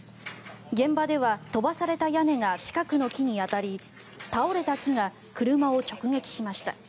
現場では飛ばされた屋根が近くの木に当たり倒れた木が車を直撃しました。